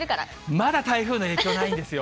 まだ台風の影響ないんですよ。